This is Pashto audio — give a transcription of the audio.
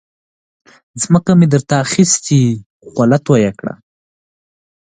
ځمکه مې در ته اخستې خوله تویه کړه.